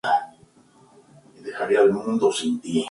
Todos han influido mucho en la ciudad.